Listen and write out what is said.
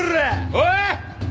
おい！